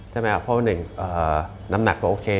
ใช่ไหมครับเพราะว่าหนึ่งน้ำหนักก็โอเค